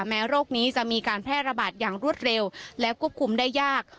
แม้โรคนี้จะมีการแพร่ระบาดอย่างรวดเร็วและควบคุมได้ยาก